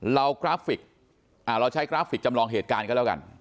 กราฟิกเราใช้กราฟิกจำลองเหตุการณ์ก็แล้วกัน